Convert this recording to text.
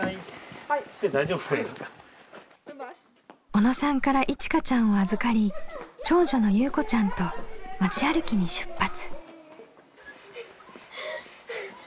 小野さんからいちかちゃんを預かり長女のゆうこちゃんと町歩きに出発。